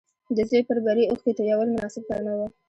د زوی پر بري اوښکې تويول مناسب کار نه و